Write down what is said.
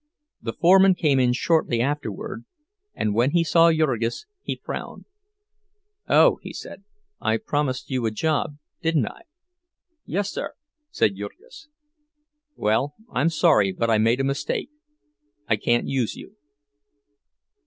The foreman came in shortly afterward, and when he saw Jurgis he frowned. "Oh," he said, "I promised you a job, didn't I?" "Yes, sir," said Jurgis. "Well, I'm sorry, but I made a mistake. I can't use you."